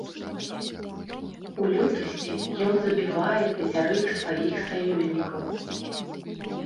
У лютасці ён забівае пяцярых сваіх саюзнікаў.